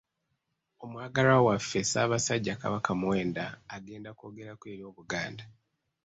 Omwagalwa waffe Ssabasajja Kabaka Muwenda agenda kwogerako eri Obuganda.